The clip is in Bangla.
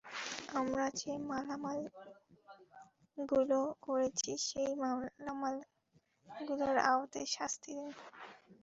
আমরা যে মামলাগুলো করেছি সেই মামলাগুলোর আওতায় শাস্তি দিন।